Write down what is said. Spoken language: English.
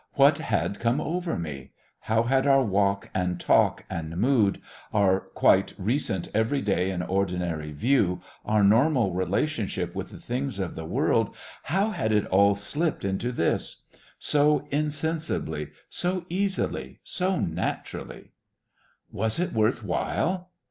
What had come over me? How had our walk and talk and mood, our quite recent everyday and ordinary view, our normal relationship with the things of the world how had it all slipped into this? So insensibly, so easily, so naturally! "Was it worth while?"